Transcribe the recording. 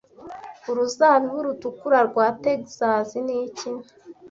Uruzabibu rutukura rwa Texas ni iki